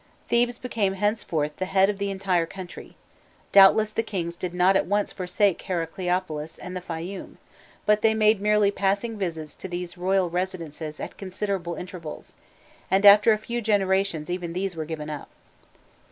Thebes became henceforth the head of the entire country: doubtless the kings did not at once forsake Heracleopolis and the Fayûm, but they made merely passing visits to these royal residences at considerable intervals, and after a few generations even these were given up.